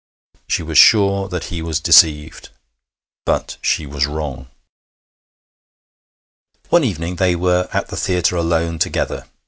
She was sure that he was deceived. But she was wrong. One evening they were at the theatre alone together.